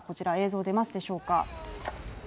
こちら映像でますでしょうか？